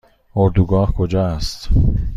اردوگاه کجا است؟